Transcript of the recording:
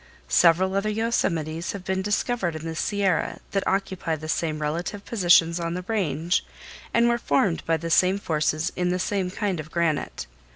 Several other yosemites have been discovered in the Sierra that occupy the same relative positions on the Range and were formed by the same forces in the same kind of granite.